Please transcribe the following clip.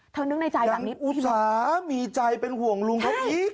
เธอนึกในใจแบบนี้ยังอุตสาห์มีใจเป็นห่วงลุงทักอีก